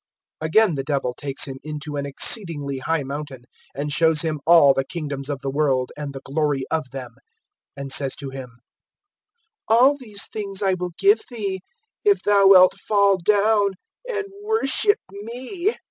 (8)Again the Devil takes him into an exceedingly high mountain, and shows him all the kingdoms of the world, and the glory of them; (9)and says to him: All these things I will give thee, if thou wilt fall down and worship me.